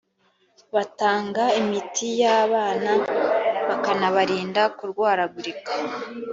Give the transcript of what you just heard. batanga imitiyabana bakanabarinda kurwaragurika .